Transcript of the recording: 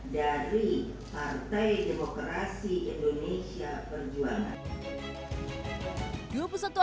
dari partai demokrasi indonesia perjuangan